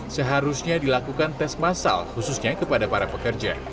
seharusnya dilakukan tes masal khususnya kepada para pekerja